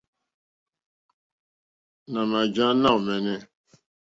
Nà mà jǎ náòmɛ́nɛ́.